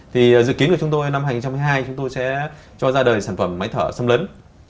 thì dự kiến của chúng tôi năm hai nghìn hai mươi hai chúng tôi sẽ cho ra đời sản phẩm máy thở xâm lấn